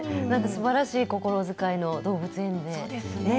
すばらしい心遣いの動物園で。